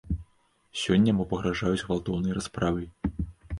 Сёння яму пагражаюць гвалтоўнай расправай.